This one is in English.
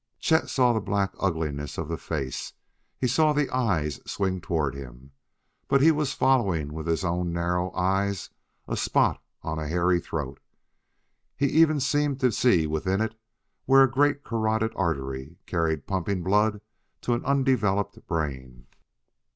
Chet saw the black ugliness of the face; he saw the eyes swing toward him.... But he was following with his own narrowed eyes a spot on a hairy throat; he even seemed to see within it where a great carotid artery carried pumping blood to an undeveloped brain.